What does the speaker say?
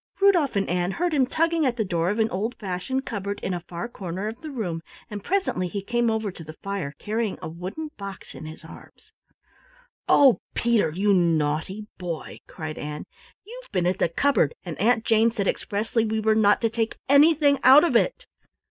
Rudolf and Ann heard him tugging at the door of an old fashioned cupboard in a far corner of the room, and presently he came over to the fire, carrying a wooden box in his arms. "Oh, Peter, you naughty boy!" cried Ann. "You've been at the cupboard, and Aunt Jane said expressly we were not to take anything out of it!"